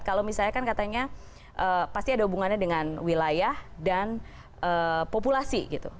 kalau misalnya kan katanya pasti ada hubungannya dengan wilayah dan populasi gitu